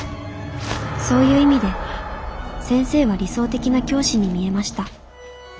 そういう意味で先生は理想的な教師に見えました」。